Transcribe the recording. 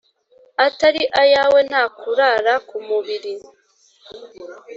Atari ayawe ntakurara kumubili.